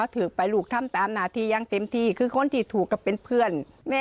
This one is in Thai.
ทุกกับเพื่อน